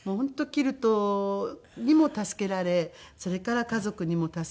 キルトにも助けられそれから家族にも助けられ。